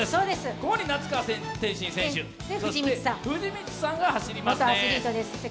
ここに那須川天心選手、藤光さんが走りますね。